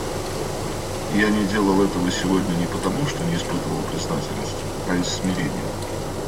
Я не делал этого сегодня не потому, что не испытывал признательности, а из смирения.